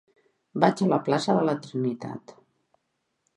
Vaig a la plaça de la Trinitat.